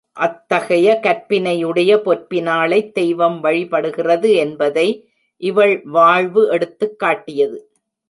அத்தகைய கற்பினை உடைய பொற் பினாளைத் தெய்வம் வழிபடுகிறது என்பதை இவள் வாழ்வு எடுத்துக் காட்டியது.